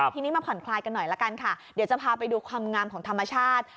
ทีนี้มาผ่อนคลายกันหน่อยละกันค่ะเดี๋ยวจะพาไปดูความงามของธรรมชาติ